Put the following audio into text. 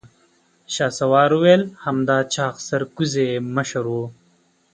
شهسوار وويل: همدا چاغ سرکوزی يې مشر و.